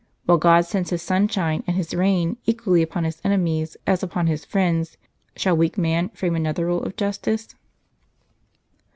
While God sends His sunshine and His rain equally upon His enemies, as upon His friends, shall weak man frame another rule of justice?